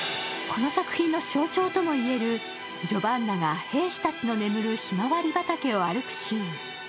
この作品の象徴ともいえるジョバンナが兵士たちの眠るひまわり畑を歩くシーン。